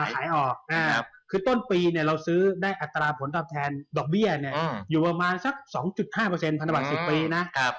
ขายออกคือต้นปีเราซื้อได้อัตราผลตอบแทนดอกเบี้ยอยู่ประมาณสัก๒๕พันธบัตร๑๐ปีนะ